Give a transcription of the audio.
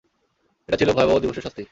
এটা ছিল ভয়াবহ দিবসের শাস্তি।